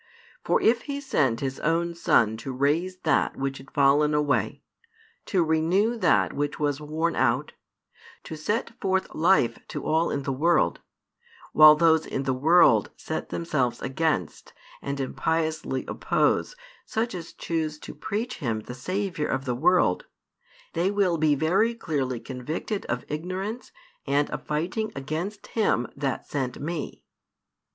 For if He sent His own Son to raise that which had fallen away, to renew that which was worn out, to set forth life to all in the world, while those in the world set themselves against and impiously oppose such as choose to preach Him the Saviour of the world, they will be very clearly convicted of ignorance and of fighting against Him that sent Me.